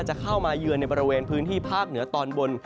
จะเข้ามาเยือนในบริเวณพื้นที่ภาคเหนือตอนบน